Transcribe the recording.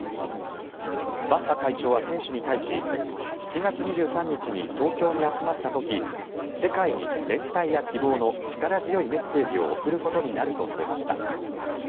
バッハ会長は選手に対し７月２３日に東京に集まった時世界に連帯や希望の力強いメッセージを送ることになると述べました。